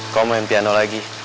kau main piano lagi